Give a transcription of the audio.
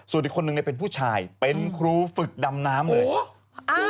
ส่วนอีกคนนึงเนี่ยเป็นผู้ชายเป็นครูฝึกดำน้ำเลย